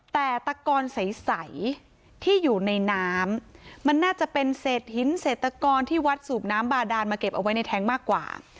แต่ตะกอนใสที่อยู่ในน้ำมันน่าจะเป็นเศษหินเศรษฐกรที่วัดสูบน้ำบาดานมาเก็บเอาไว้ในแท้งมากกว่า